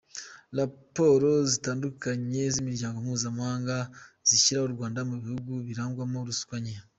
Raporo zitandukanye z’Imiryango Mpuzamahanga zishyira U Rwanda mu bihugu birangwamo ruswa nke."